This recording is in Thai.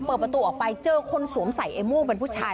เปิดประตูออกไปเจอคนสวมใส่ไอ้โม่งเป็นผู้ชาย